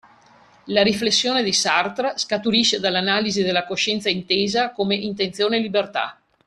La riflessione di Sartre scaturisce dall'analisi della coscienza intesa come intenzione e libertà.